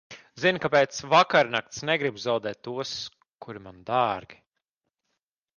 Zini, ka pēc vakarnakts negribu zaudēt tos, kuri man dārgi.